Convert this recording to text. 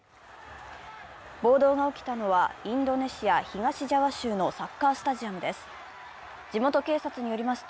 暴動が起きたのは、インドネシア東ジャワ州のサッカースタジアムです。